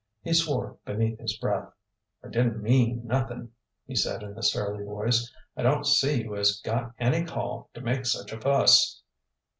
He swore beneath his breath. "I didn't mean nothin'," he said in a surly voice. "I don't see as you got any call to make such a fuss."